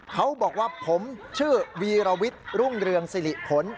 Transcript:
เขาบอกว่าผมชื่อวีรวิทย์รุ่งเรืองสิริผล